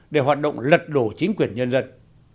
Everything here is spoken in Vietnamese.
để hoạt động lật đổ chính quyền nhân dân